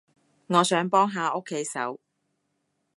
我想幫下屋企手